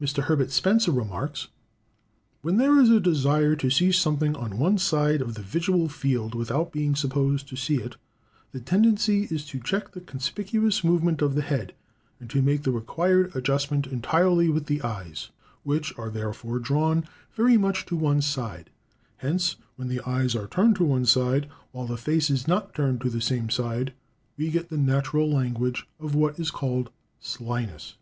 Mr. Herbert Spencer remarks, "When there is a desire to see something on one side of the visual field without being supposed to see it, the tendency is to check the conspicuous movement of the head, and to make the required adjustment entirely with the eyes; which are, therefore, drawn very much to one side. Hence, when the eyes are turned to one side, while the face is not turned to the same side, we get the natural language of what is called slyness."